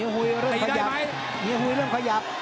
เฮียหุยเริ่มขยับ